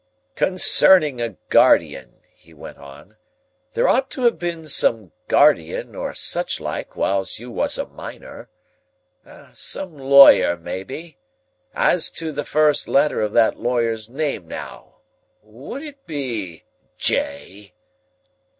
"Concerning a guardian," he went on. "There ought to have been some guardian, or such like, whiles you was a minor. Some lawyer, maybe. As to the first letter of that lawyer's name now. Would it be J?"